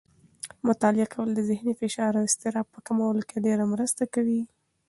مطالعه کول د ذهني فشار او اضطراب په کمولو کې ډېره مرسته کوي.